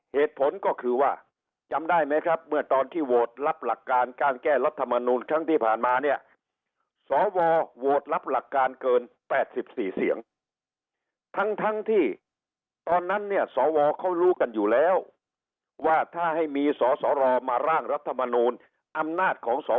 เหตุผลก็คือเมื่อตอนที่โหวตรับหลักการการแก้รัฐมนูลครั้งที่ผ่านมา